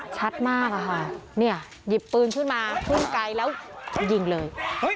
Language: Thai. ชัดมากอะค่ะเนี่ยหยิบปืนขึ้นมาพุ่งไกลแล้วยิงเลย